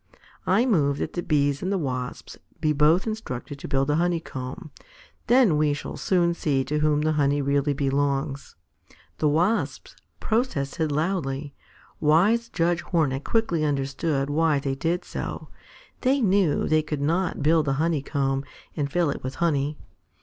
I move that the Bees and the Wasps be both instructed to build a honey comb. Then we shall soon see to whom the honey really belongs." The Wasps protested loudly. Wise Judge Hornet quickly understood why they did so: They knew they could not build a honey comb and fill it with honey.